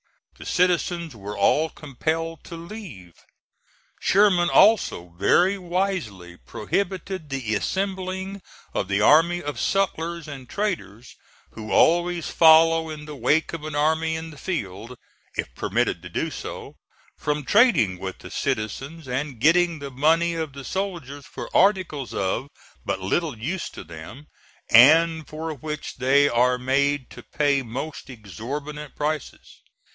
The citizens were all compelled to leave. Sherman also very wisely prohibited the assembling of the army of sutlers and traders who always follow in the wake of an army in the field, if permitted to do so, from trading with the citizens and getting the money of the soldiers for articles of but little use to them, and for which they are made to pay most exorbitant prices.